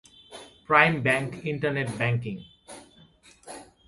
prime Bank internet banking